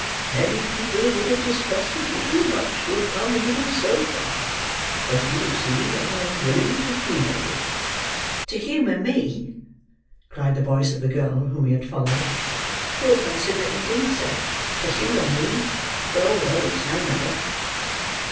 Many people would have distrusted you too much to have come even so far, but you see I am willing to humour you." "To humour me!" cried the voice of the girl whom he had followed. "You're considerate, indeed, sir. To humour me! Well, well, it's no matter."